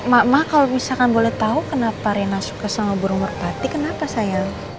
ma kalau misalkan boleh tau kenapa rina suka sama burung merpati kenapa sayang